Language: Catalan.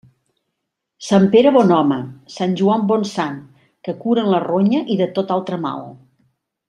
Sant Pere bon home, sant Joan bon sant, que curen la ronya i de tot altre mal.